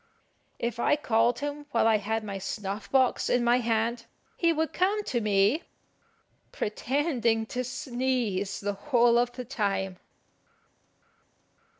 If I called him while I had my snuff box in my hand, he would come to me, pretending to sneeze the whole of the time.